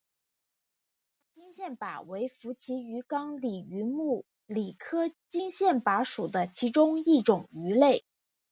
紫色金线鲃为辐鳍鱼纲鲤形目鲤科金线鲃属的其中一种鱼类。